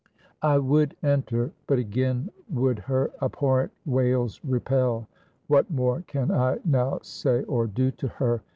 "I would enter, but again would her abhorrent wails repel; what more can I now say or do to her?